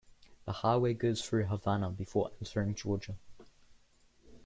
The highway goes through Havana before entering Georgia.